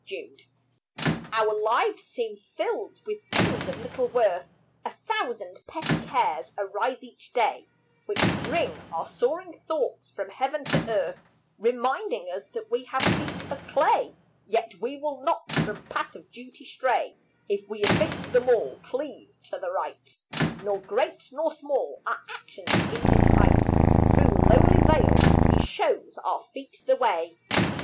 LIFE Our lives seem filled with things of little worth; A thousand petty cares arise each day Which bring our soaring thoughts from heaven to earth, Reminding us that we have feet of clay; Yet we will not from path of duty stray If we amidst them all cleave to the right; Nor great nor small are actions in His sight; Through lowly vale He shows our feet the way.